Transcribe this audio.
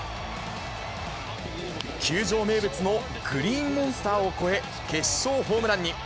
球場名物のグリーンモンスターを越え、決勝ホームランに。